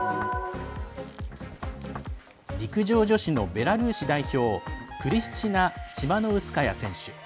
陸上女子のベラルーシ代表クリスチナ・チマノウスカヤ選手。